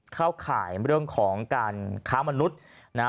เข้าข่ายเรื่องของการค้ามนุษย์นะฮะ